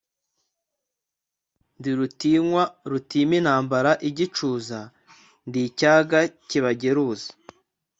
ndi rutinywa rutima intambara igicuza, ndi icyaga kibageruza.